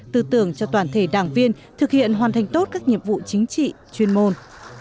tư tưởng cho toàn thể đảng viên thực hiện hoàn thành tốt các nhiệm vụ chính trị chuyên môn